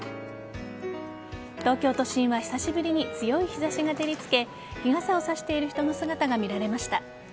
東京都心は久しぶりに強い日差しが照りつけ日傘を差している人の姿が見られました。